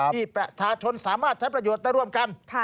ที่ประชาชนสามารถใช้ประโยชน์ได้ร่วมกัน